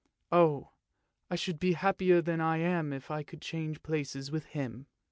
Oh, I should be happier than I am if I could change places with him!